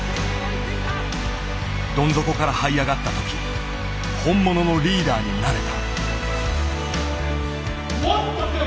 どん底からはい上がった時本物のリーダーになれた。